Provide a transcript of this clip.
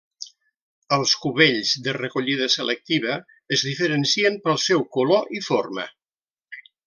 Els cubells de recollida selectiva es diferencien pel seu color i forma.